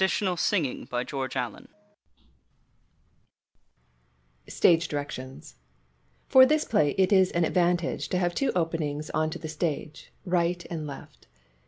THE ENTERPRISE OF THE "MAYFLOWER" STAGE DIRECTIONS FOR this play it is an advantage to have two openings on to the stage, right and left.